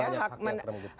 banyak yang merenggut